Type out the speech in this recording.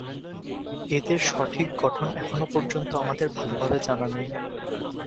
এদের সঠিক গঠন এখনও পর্যন্ত আমাদের ভালোভাবে জানা নেই।